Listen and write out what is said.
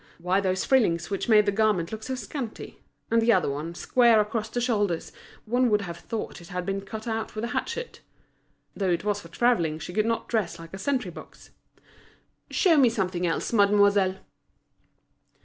Why those frillings which made the garment look so scanty? and the other one, square across the shoulders, one would have thought it had been cut out with a hatchet. Though it was for travelling she could not dress like a sentry box. "Show me something else, mademoiselle."